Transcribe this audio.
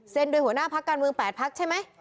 เซ็นโดยหัวหน้าภักดิ์การเมือง๘ภักดิ์ใช่ไหม